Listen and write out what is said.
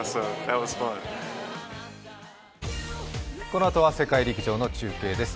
このあとは世界陸上の中継です。